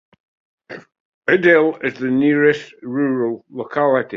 Idel is the nearest rural locality.